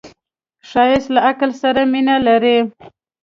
ښایست له عقل سره مینه لري